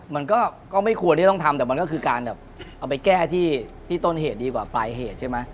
มันก็ไม่ควรที่ต้องทำแต่มันก็คือการแบบเอาไปแก้ที่ต้นเหตุดีกว่าปลายเหตุใช่ไหม